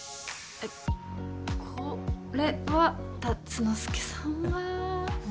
えっこれは竜之介さんは。えっ？